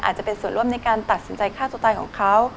อาจจะเป็นส่วนร่วมในการตัดสินใจฆ่าตัวตายของเขา